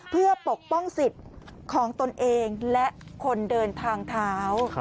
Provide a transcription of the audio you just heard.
เพื่อปกป้องสิทธิ์ของตนเองและคนเดินทางเท้า